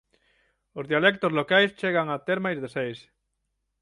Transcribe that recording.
Os dialectos locais chegan a ter máis de seis.